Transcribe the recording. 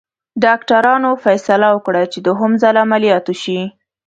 ډاکټرانو فیصله وکړه چې دوهم ځل عملیات وشي.